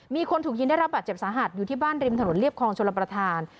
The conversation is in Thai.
มีคนถูกยิงได้รับบาดเจ็บสาหัสอยู่ที่บ้านริมถนนเรียบคลองชลประธาน